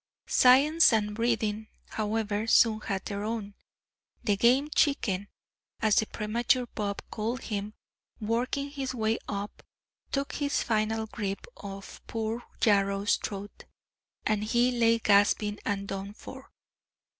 Science and breeding, however, soon had their own; the Game Chicken, as the premature Bob called him, working his way up, took his final grip of poor Yarrow's throat and he lay gasping and done for.